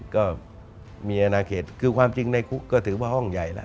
ก็มีอนาเขตคือความจริงในคุกก็ถือว่าห้องใหญ่แล้ว